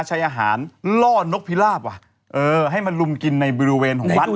ใช้อาหารล่อนกพิราบว่ะเออให้มันลุมกินในบริเวณของวัด